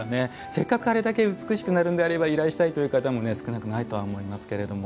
せっかくあれだけ美しくなるんであれば依頼したいという方も少なくないとは思いますけれども。